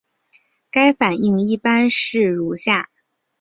该反应的一般式如下。